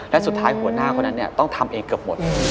และสุดท้ายหัวหน้าคนนั้นต้องทำเองเกือบหมด